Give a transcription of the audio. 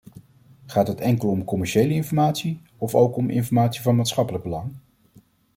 Gaat het enkel om commerciële informatie of ook om informatie van maatschappelijk belang?